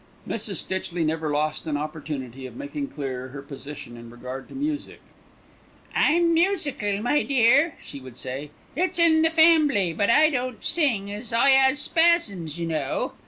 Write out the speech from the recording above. Mrs. Stitchley never lost an opportunity of making clear her position in regard to music. "I'm musical, my dear," she would say. "It's in the fambly; but I don't sing, I 'as spasms, you know."